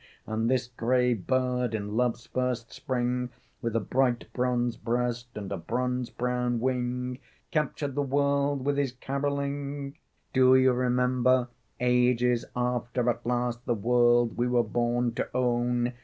And this gray bird, in Love's first spring, With a bright bronze breast and a bronze brown wing, Captured the world with his carolling. Do you remember, ages after, At last the world we were born to own?